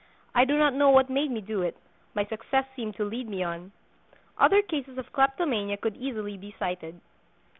I do not know what made me do it. My success seemed to lead me on." Other cases of kleptomania could easily be cited.